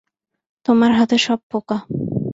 তোমার হাতে সব পোকা।